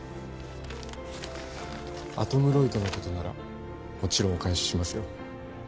アトムロイドのことならもちろんお返ししますよ